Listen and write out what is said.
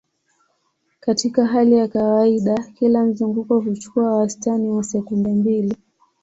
Katika hali ya kawaida, kila mzunguko huchukua wastani wa sekunde mbili.